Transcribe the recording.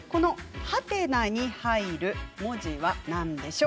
「？」に入る文字は何でしょう？